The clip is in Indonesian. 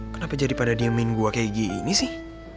kenapa jadi pada diemin gue kayak gini sih